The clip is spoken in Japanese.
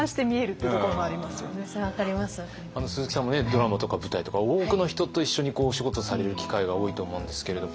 ドラマとか舞台とか多くの人と一緒にお仕事される機会が多いと思うんですけれど。